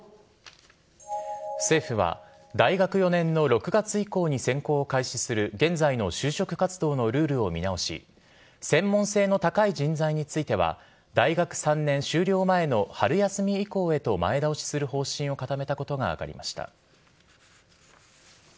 政府は、大学４年の６月以降に選考を開始する現在の就職活動のルールを見直し専門性の高い人材については大学３年終了前の春休み以降へと前倒しする方針を固めたことが分かりました。